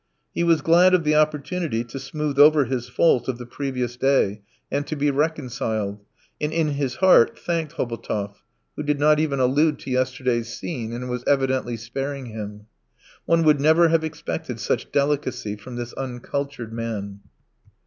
He was glad of the opportunity to smooth over his fault of the previous day and to be reconciled, and in his heart thanked Hobotov, who did not even allude to yesterday's scene and was evidently sparing him. One would never have expected such delicacy from this uncultured man.